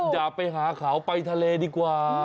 อย่าไปหาเขาไปทะเลดีกว่า